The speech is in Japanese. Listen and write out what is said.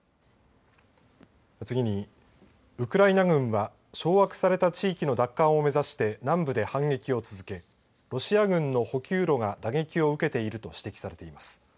次にウクライナ軍は掌握された地域の奪還を目指して南部で反撃を続けロシア軍の補給路が打撃を受けていると指摘されています。